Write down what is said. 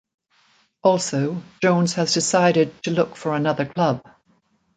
Also, Jones has decided to look for another club.